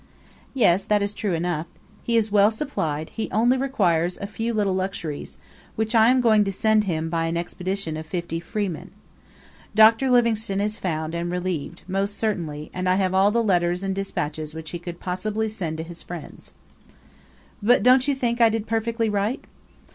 "Yes, that is true enough. He is well supplied; he only requires a few little luxuries, which I am going to send him by an expedition of fifty freemen. Dr. Livingstone is found and relieved, most certainly; and I have all the letters and despatches which he could possibly send to his friends." "But don't you think I did perfectly right?"